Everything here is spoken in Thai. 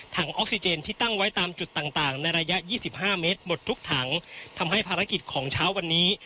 ออกซิเจนที่ตั้งไว้ตามจุดต่างต่างในระยะยี่สิบห้าเมตรหมดทุกถังทำให้ภารกิจของเช้าวันนี้